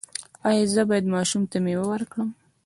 ایا زه باید ماشوم ته میوه ورکړم؟